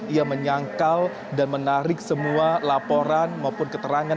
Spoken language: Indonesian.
ia menyangkal dan menarik semua laporan maupun keterangan